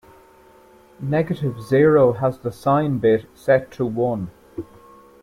Negative zero has the sign bit set to one.